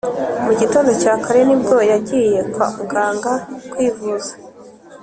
Mugitondo cyakare nibwo yagiye kwamuganga kwivuza